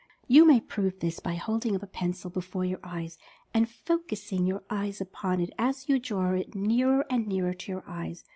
You may prove this by holding up a pencil before your eyes, and focusing your eyes upon it as you draw it nearer and nearer to your eyes.